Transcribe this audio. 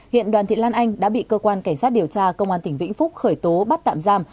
hiện đoàn thị lan anh đã bị cơ quan cảnh sát điều tra công an tỉnh vĩnh phúc khởi tố bắt tạm giam